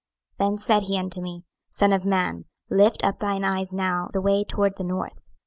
26:008:005 Then said he unto me, Son of man, lift up thine eyes now the way toward the north.